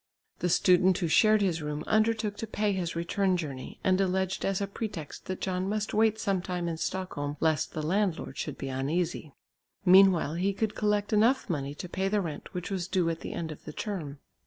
The student who shared his room undertook to pay his return journey, and alleged as a pretext that John must wait some time in Stockholm lest the landlord should be uneasy. Meanwhile he could collect enough money to pay the rent which was due at the end of the term.